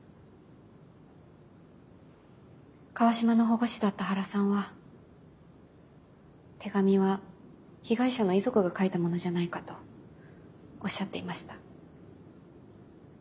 川島の保護司だった原さんは手紙は被害者の遺族が書いたものじゃないかとおっしゃっていました。